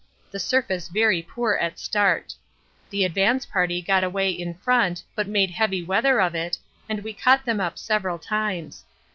The surface very poor at start. The advance party got away in front but made heavy weather of it, and we caught them up several times.